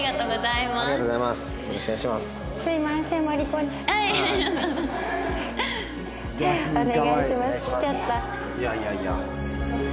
いやいやいや。